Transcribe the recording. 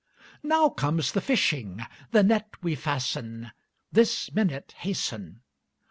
Now comes the fishing! The net we fasten; This minute hasten!